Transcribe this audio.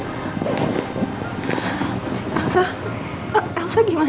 emang dia udah berangkat kesana